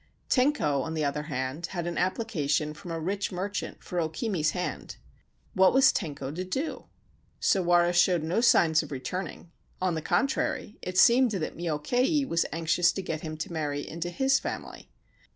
Tenko, on the other hand, had an application from a rich merchant for O Kimi's hand. What was Tenko to do ? Sawara showed no signs of returning ; on the contrary, it seemed that Myokei was anxious to get him to marry into his family.